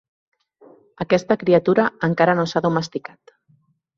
Aquesta criatura encara no s'ha domesticat.